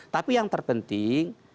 tapi yang terpenting